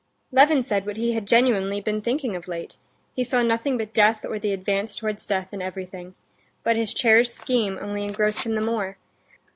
Levin said what he had genuinely been thinking of late. He saw nothing but death or the advance towards death in everything. But his cherished scheme only engrossed him the more.